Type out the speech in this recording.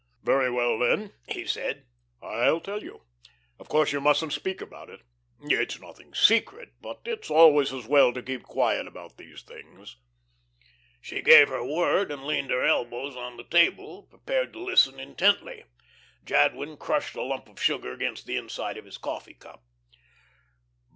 "Very well, then," he said, "I'll tell you. Of course you mustn't speak about it. It's nothing very secret, but it's always as well to keep quiet about these things." She gave her word, and leaned her elbows on the table, prepared to listen intently. Jadwin crushed a lump of sugar against the inside of his coffee cup.